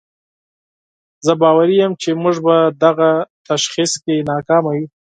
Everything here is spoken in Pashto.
زه باوري یم چې موږ په دغه تشخیص کې ناکامه یو.